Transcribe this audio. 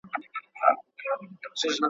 چي زړېږم مخ مي ولي د دعا پر لوري سم سي.